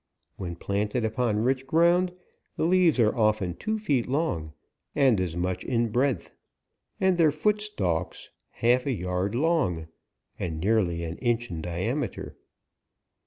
When plan ted upon rich ground, the leaves are often two feet long, and as much in breadth ; and their foot stalks half a yard long, and nearly an inch in diameter.